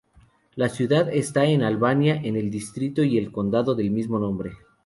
La ciudad está en Albania, en el distrito y el condado del mismo nombre.